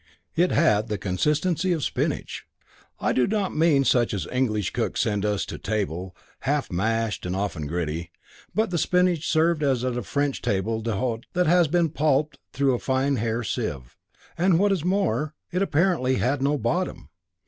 It had the consistency of spinach. I do not mean such as English cooks send us to table, half mashed and often gritty, but the spinach as served at a French table d'hôte, that has been pulped through a fine hair sieve. And what is more, it apparently had no bottom.